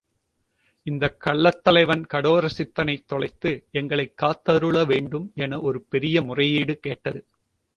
இந்தக் கள்ளர் தலைவன் கடோர சித்தனைத் தொலைத்து எங்களைக் காத்தருள வேண்டும் என ஒருபெரிய முறையீடு கேட்டது.